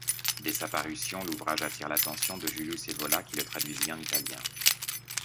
Dès sa parution, l'ouvrage attire l'attention de Julius Evola qui le traduisit en italien.